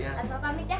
atuh pamit ya